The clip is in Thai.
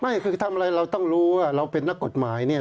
ไม่คือทำอะไรเราต้องรู้ว่าเราเป็นนักกฎหมายเนี่ย